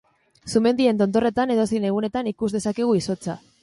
Sumendien tontorretan edozein egunetan ikus dezakegu izotza.